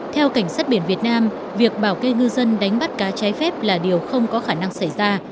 theo cảnh sát biển việt nam việc bảo kê ngư dân đánh bắt cá trái phép là điều không có khả năng xảy ra